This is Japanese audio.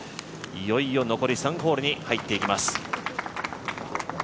いよいよ残り３ホールに入っていきます。